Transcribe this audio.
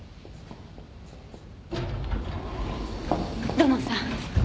土門さん。